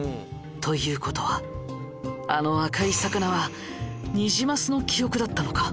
ということはあの赤い魚はニジマスの記憶だったのか？